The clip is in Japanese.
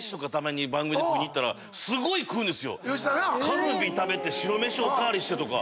カルビ食べて白飯お代わりしてとか。